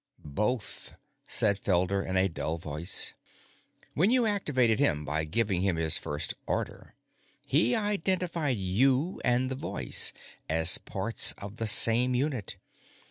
"Both," said Felder in a dull voice. "When you activated him by giving him his first order, he identified you and the voice as parts of the same unit.